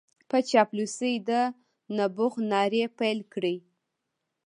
په چاپلوسۍ د نبوغ نارې پېل کړې.